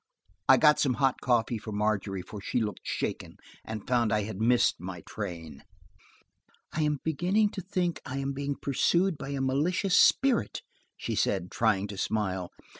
I got some hot coffee for Margery, for she looked shaken, and found I had missed my train. "I am beginning to think I am being pursued by a malicious spirit," she said, trying to smile.